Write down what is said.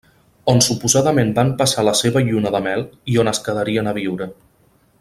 On suposadament van passar la seva lluna de mel i on es quedarien a viure.